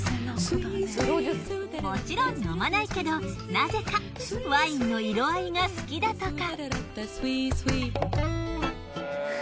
もちろん飲まないけどなぜかワインの色合いが好きだとか。